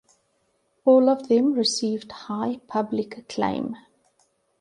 All of them received high public acclaim.